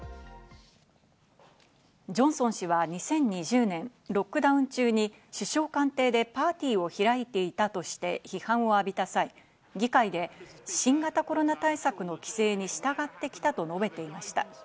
ジョンソン氏は２０２０年、ロックダウン中に首相官邸でパーティーを開いていたとして批判を浴びた際、議会で新型コロナ対策の規制に従ってきたと述べていました。